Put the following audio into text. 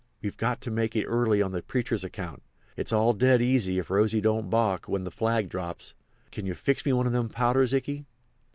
We've got to make it early on the preacher's account. It's all dead easy if Rosy don't balk when the flag drops. Can you fix me one of them powders, Ikey?"